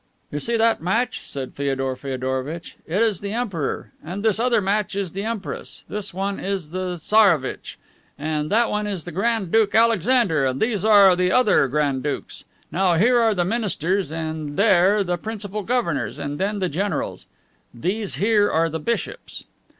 "You see that match," said Feodor Feodorovitch. "It is the Emperor. And this other match is the Empress; this one is the Tsarevitch; and that one is the Grand duke Alexander; and these are the other granddukes. Now, here are the ministers and there the principal governors, and then the generals; these here are the bishops."